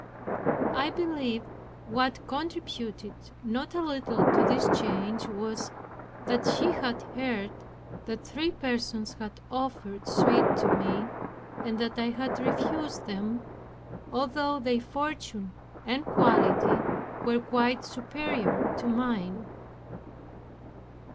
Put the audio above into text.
I believe what contributed not a little to this change was, that she had heard that three persons had offered suit to me, and that I had refused them, although their fortune and quality were quite superior to mine.